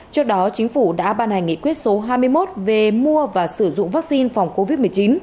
trước đó chính phủ đã ban hành nghị quyết số hai mươi một về mua và sử dụng vaccine phòng covid một mươi chín